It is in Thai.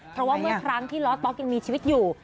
เพราะว่าเมื่อครั้งที่ล้อต๊อกยังมีชีวิตอยู่